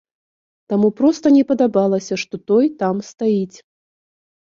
Таму проста не падабалася, што той там стаіць.